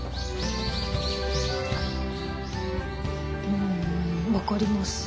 うん分かります。